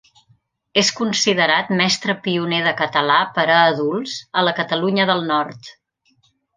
És considerat mestre pioner de català per a adults a la Catalunya del Nord.